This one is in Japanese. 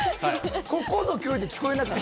ここの距離で聞こえなかった。